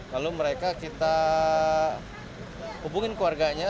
lalu mereka kita hubungin ke warganya